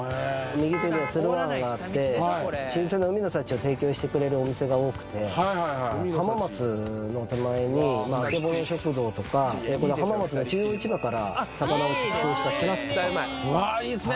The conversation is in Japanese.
右手には駿河湾があって新鮮な海の幸を提供してくれるお店が多くてはいはいはいあけぼの食堂とか浜松の中央市場から魚を直送したしらすとかうわいいっすね